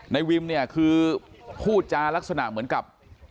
ในวิมคือผู้จารักษณะเหมือนกับ